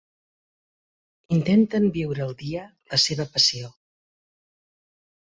Intenten viure al dia la seva passió.